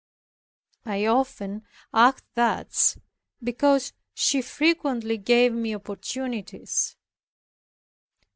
I often acted thus because she frequently gave me opportunities.